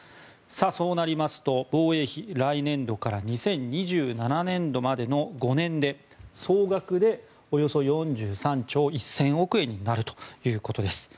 そうなりますと防衛費来年度から２０２７年度までの５年で総額でおよそ４３兆１０００億円になるということです。